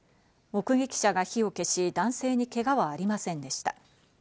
目撃者が火を消し、男性にけがはありませんでした。